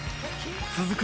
続く